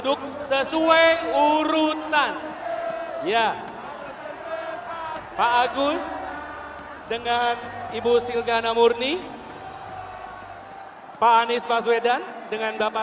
duduk sesuai urutan ya pak agus dengan ibu silgana murni pak anies paswedan dengan bapak